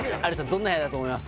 どんな部屋だと思います？